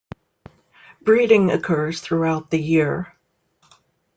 Breeding occurs throughout the year.